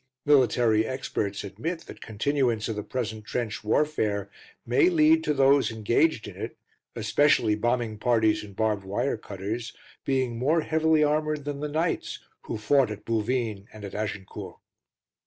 . Military experts admit that continuance of the present trench warfare may lead to those engaged in it, especially bombing parties and barbed wire cutters, being more heavily armoured than the knights, who fought at Bouvines and at Agincourt.